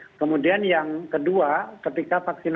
dan kemudian harga dalam vaksinasi itu sedikit akhir akhir segini